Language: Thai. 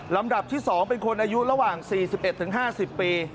ลำดับที่๒เป็นคนอายุระหว่าง๔๑๕๐ปี